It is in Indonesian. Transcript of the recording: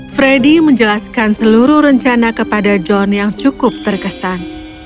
freddy menjelaskan seluruh rencana kepada john yang cukup terkesan